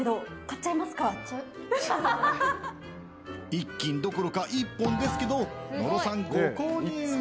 １斤どころか１本ですけど野呂さんご購入。